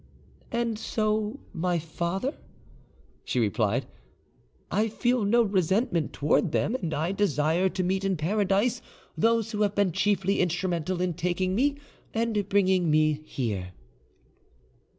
"And so, my father," she replied, "I feel no resentment towards them, and I desire to meet in Paradise those who have been chiefly instrumental in taking me and bringing me here."